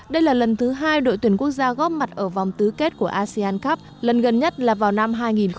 đây là lần thứ hai đội tuyển quốc gia góp mặt ở vòng tứ kết của asean cup lần gần nhất là vào năm hai nghìn hai mươi